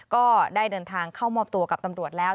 ก็ได้เดินทางเข้ามอบตัวกับตำรวจแล้ว